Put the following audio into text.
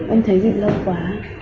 em thấy dịp lâu quá